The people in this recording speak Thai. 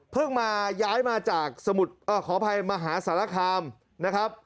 มาย้ายมาจากสมุดขออภัยมหาสารคามนะครับ